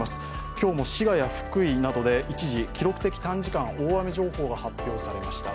今日も滋賀や福井などで一時記録的短時間大雨情報が発表されました。